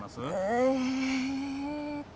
えっと。